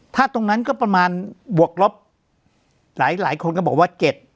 ถ้าตรงนั้นก็ประมาณบวกลบหลายคนก็บอกว่า๗